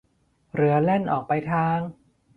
เรือแล่นออกไปทาง